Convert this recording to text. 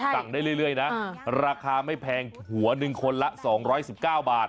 ตักได้เรื่อยนะราคาไม่แพงหัว๑คนละ๒๑๙บาท